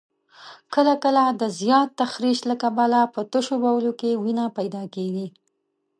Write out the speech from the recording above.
کله کله د زیات تخریش له کبله په تشو بولو کې وینه پیدا کېږي.